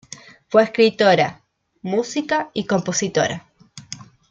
Fue escritora, música y compositora.